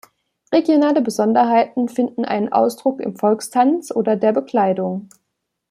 Regionale Besonderheiten finden einen Ausdruck im Volkstanz oder der Bekleidung.